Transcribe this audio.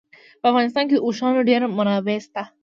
په افغانستان کې د اوښانو ډېرې منابع شته دي.